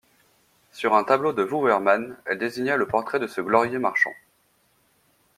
Sur un tableau de Wouvermann, elle désigna le portrait de ce glorieux marchand.